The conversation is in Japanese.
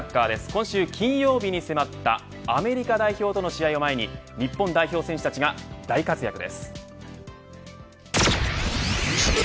今週金曜日に迫ったアメリカ代表との試合を前に日本代表選手たちが大活躍です。